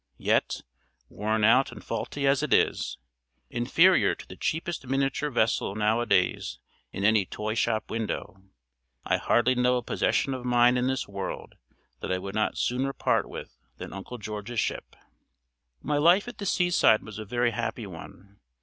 Yet, worn out and faulty as it is inferior to the cheapest miniature vessel nowadays in any toy shop window I hardly know a possession of mine in this world that I would not sooner part with than Uncle George's ship. My life at the sea side was a very happy one.